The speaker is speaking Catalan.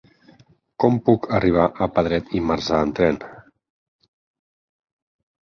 Com puc arribar a Pedret i Marzà amb tren?